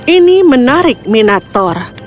ini menarik minot thor